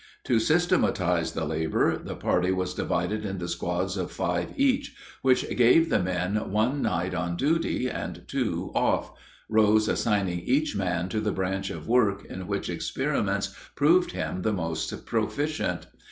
To systematize the labor, the party was divided into squads of five each, which gave the men one night on duty and two off, Rose assigning each man to the branch of work in which experiments proved him the most proficient.